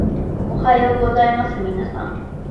おはようございますみなさん